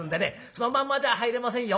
そのまんまじゃ入れませんよ。